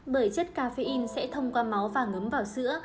bởi chất cà phê in sẽ thông qua máu và ngấm vào sữa